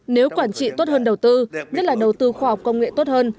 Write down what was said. nếu quản trị tốt hơn đầu tư nhất là đầu tư khoa học công nghệ tốt hơn